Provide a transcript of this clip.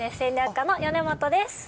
家の米本です。